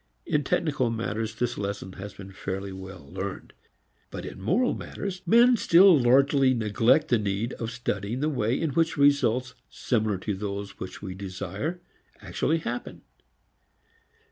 In technical matters, this lesson has been fairly well learned. But in moral matters, men still largely neglect the need of studying the way in which results similar to those which we desire actually happen.